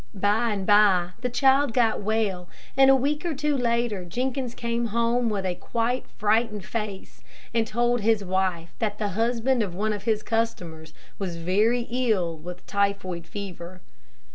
By and by the child got well, and a week or two later Jenkins came home with quite a frightened face, and told his wife that the husband of one of his customers was very ill with typhoid fever.